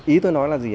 ý tôi nói là gì